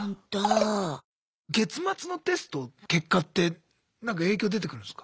月末のテストの結果ってなんか影響出てくるんすか？